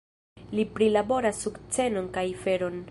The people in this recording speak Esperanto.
Li prilaboras sukcenon kaj feron.